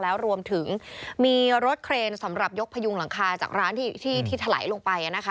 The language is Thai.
แล้วรวมถึงมีรถเครนสำหรับยกพยุงหลังคาจากร้านที่ถลายลงไปนะคะ